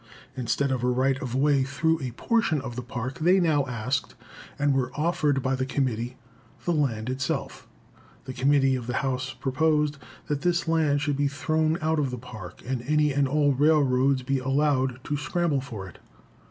Instead of a right of way through a portion of the Park, they now asked, and were offered by the committee, the land itself. The Committee of the House proposed that this land should be thrown out of the Park, and any and all railroads be allowed to scramble for it.